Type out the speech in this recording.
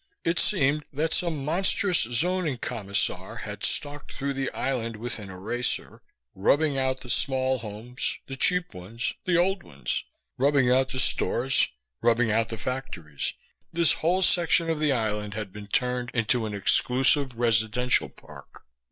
It seemed that some monstrous Zoning Commissar had stalked through the island with an eraser, rubbing out the small homes, the cheap ones, the old ones; rubbing out the stores, rubbing out the factories. This whole section of the island had been turned into an exclusive residential park.